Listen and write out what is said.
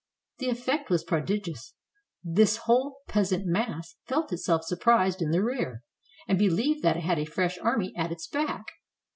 The effect was prodigious. This whole peasant mass felt itself surprised in the rear, and believed that it had a fresh army at its back.